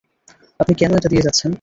আপনি কেন এটা দিয়ে যাচ্ছেন?